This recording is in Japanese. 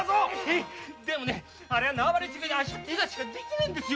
でもねあれは縄張違いで。